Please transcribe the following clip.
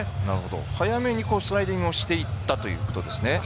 早めにスライディングしていったということですね。